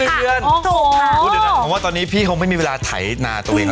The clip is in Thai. พูดอยู่หน่อยผมว่าตอนนี้พี่คงไม่มีเวลาไถนาตัวเอง